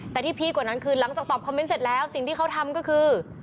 แต่ที่พีคกว่านั้นคือหลังจากตอบคอมเมนต์เสร็จแล้วสิ่งที่เขาทำก็คือ